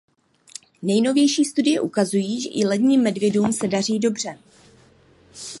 Nejnovější studie ukazují, že i ledním medvědům se daří dobře.